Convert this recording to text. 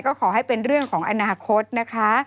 ก็ขอให้เป็นเรื่องของอนาคตนะคะ